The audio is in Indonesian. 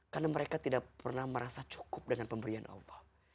karena mereka tidak pernah merasa cukup dengan pemberian allah